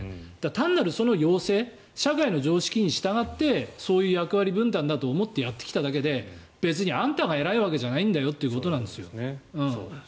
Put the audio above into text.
単なるその要請社会の常識に従ってそういう役割分担だと思ってやってきたわけで別にあんたが偉いわけじゃないよということなんですよ。